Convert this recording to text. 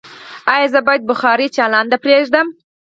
ایا زه باید بخاری چالانه پریږدم؟